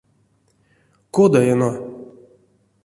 Кода эно.